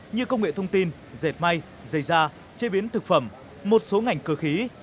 như công nghệ thông tin dệt may dây da chế biến thực phẩm một số ngành cơ khí